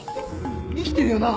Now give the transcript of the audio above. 生きてるよな！？